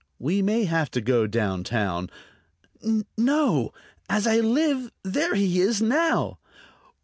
"We may have to go down town.... No! as I live, there he is now!"